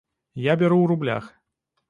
Я бяру ў рублях.